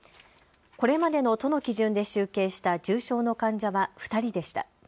これまでの都の基準で集計した重症の患者は２人でした。